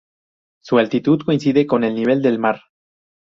Su altitud coincide con el nivel del mar.